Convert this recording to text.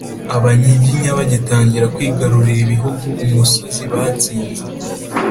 abanyiginya bagitangira kwigarurira ibihugu, umusozi batsinze